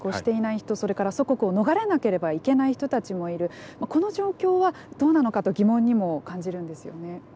それから祖国を逃れなければいけない人たちもいるこの状況はどうなのかと疑問にも感じるんですよね。